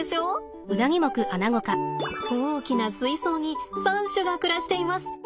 大きな水槽に３種が暮らしています。